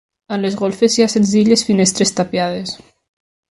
A les golfes hi ha senzilles finestres tapiades.